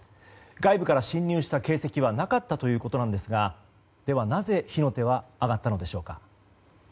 外部から侵入した形跡はなかったということなんですがではなぜ火の手は上がったのでしょうか。